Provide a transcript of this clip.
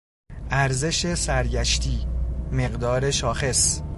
ارزش سرگشتی، مقدار شاخص